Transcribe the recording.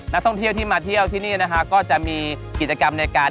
นักท่องเที่ยวที่มาเที่ยวที่นี่นะคะก็จะมีกิจกรรมในการ